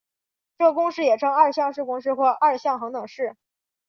这个公式也称二项式公式或二项恒等式。